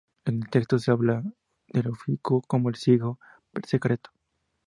En el texto se habla de Ofiuco como el "signo secreto".